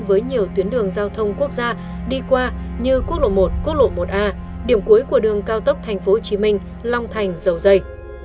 với nhiều tuyến đường giao thông quốc gia đi qua như quốc lộ i quốc lộ ia điểm cuối của đường cao tốc tp hcm long thành dầu dây